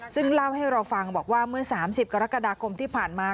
ซึ่งเล่าให้เราฟังบอกว่าเมื่อ๓๐กรกฎาคมที่ผ่านมา